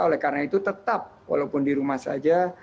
oleh karena itu tetap walaupun di rumah saja